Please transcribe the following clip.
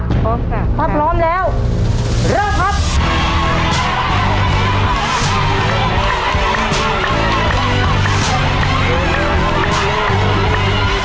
พร้อมค่ะถ้าพร้อมแล้วเริ่มครับ